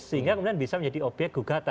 sehingga kemudian bisa menjadi obyek gugatan